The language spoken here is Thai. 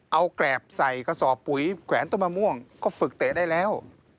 เอาแกรบใส่กระสอบปุ๋ยแขวนต้นมะม่วงก็ฝึกเตะได้แล้ว